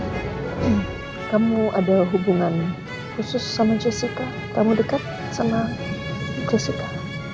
ren kamu ada hubungan khusus dengan jessica kamu dekat dengan jessica